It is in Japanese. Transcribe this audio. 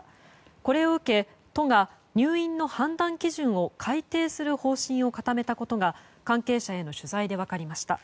これを受け、都が入院の判断基準を改定する方針を固めたことが関係者への取材で分かりました。